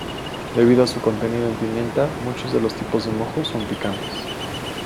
Debido a su contenido en pimienta, muchos de los tipos de mojos son picantes.